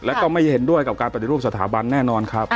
แล้วก็ไม่เห็นด้วยกับการปฏิรูปสถาบันแน่นอนครับ